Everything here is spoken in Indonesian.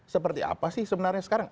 seperti apa sih sebenarnya sekarang